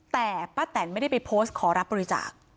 แต่ป้าแตนไม่ได้ไปโพสต์ขอรับบริจาค